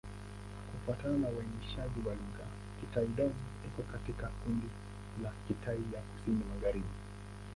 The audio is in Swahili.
Kufuatana na uainishaji wa lugha, Kitai-Dón iko katika kundi la Kitai ya Kusini-Magharibi.